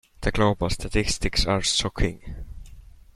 The global statistics are shocking.